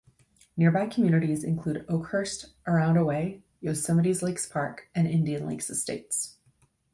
Nearby communities include Oakhurst, around away, Yosemite Lakes Park, and Indian Lakes Estates.